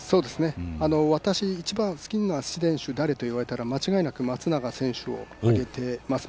私、一番好きな選手は誰？といわれたら間違いなく松永選手をあげています。